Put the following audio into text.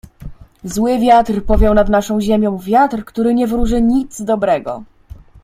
"Zły wiatr powiał nad naszą ziemią, wiatr, który nie wróży nic dobrego."